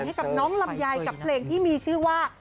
ให้กับน้องลำไยกับเพลงที่มีชื่อว่า